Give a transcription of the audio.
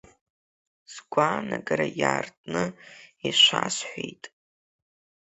Сгәаанагара иаартны ишәасҳәеит…